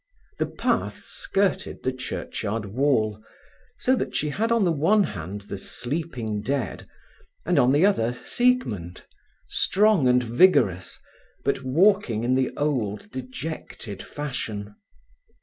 The path skirted the churchyard wall, so that she had on the one hand the sleeping dead, and on the other Siegmund, strong and vigorous, but walking in the old, dejected fashion.